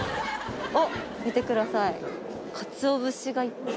あっ見てください。